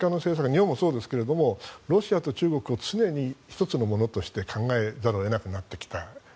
日本もそうですがロシアと中国を常に１つのものとして考えざるを得なくなってきたと。